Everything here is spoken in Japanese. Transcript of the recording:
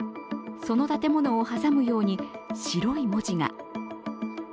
その建物を挟むように白い文字が。